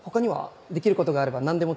できることがあれば何でも手伝うよ。